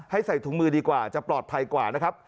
ใส่ถุงมือดีกว่าจะปลอดภัยกว่านะครับ